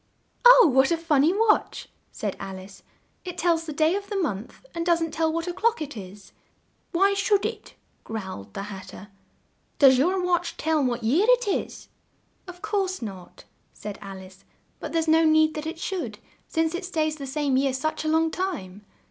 "Oh, what a fun ny watch!" said Al ice. "It tells the day of the month and doesn't tell what o'clock it is!" "Why should it?" growled the Hat ter. "Does your watch tell what year it is?" "Of course not," said Al ice, "but there's no need that it should, since it stays the same year such a long time."